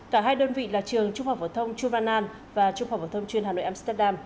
cả hai đơn vị là trường trung học phổ thông chuvanan và trung học phổ thông chuyên hà nội amsterdam